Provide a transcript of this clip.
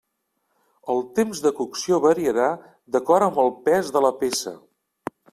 El temps de cocció variarà d'acord amb el pes de la peça.